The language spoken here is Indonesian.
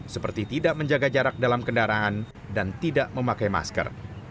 seperti tidak menjaga jarak dalam kendaraan dan tidak memakai masker